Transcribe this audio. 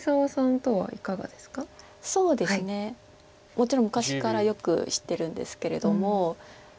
もちろん昔からよく知ってるんですけれども。